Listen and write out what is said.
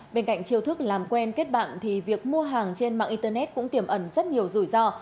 bên cạnh chiêu thức làm quen kết bạn thì việc mua hàng trên mạng internet cũng tiềm ẩn rất nhiều rủi ro